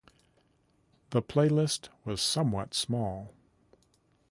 The playlist was somewhat small.